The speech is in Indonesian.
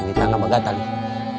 ini tangan mengganteng